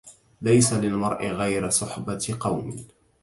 ليس للمرء غير صحبة قوم